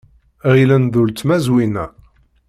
Ɣilen d uletma Zwina.